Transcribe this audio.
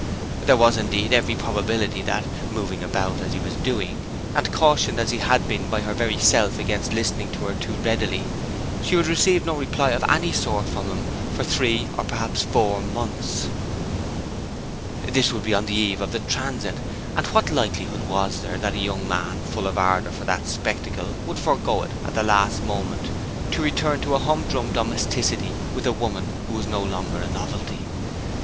There was, indeed, every probability that, moving about as he was doing, and cautioned as he had been by her very self against listening to her too readily, she would receive no reply of any sort from him for three or perhaps four months. This would be on the eve of the Transit; and what likelihood was there that a young man, full of ardour for that spectacle, would forego it at the last moment to return to a humdrum domesticity with a woman who was no longer a novelty?